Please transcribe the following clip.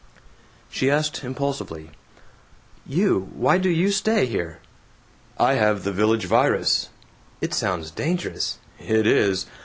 She asked impulsively, "You, why do you stay here?" "I have the Village Virus." "It sounds dangerous." "It is.